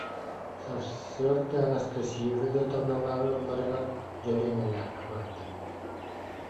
Сарсыарда Анастасия Федотовналаах ыалларыгар Дьэлиэнэлээххэ барда